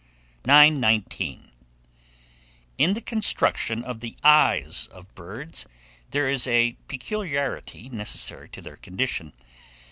919. IN THE CONSTRUCTION OF THE EYES of birds, there is a peculiarity necessary to their condition.